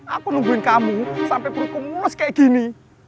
aku nungguin kamu sampai perutku munas kayak gini